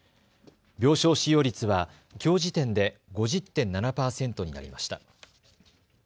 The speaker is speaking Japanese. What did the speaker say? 病床使用率はきょう時点で５０．７％になりました。